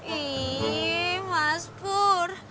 ih mas pur